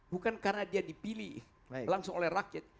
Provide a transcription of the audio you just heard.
bukan karena dia dipilih langsung oleh rakyat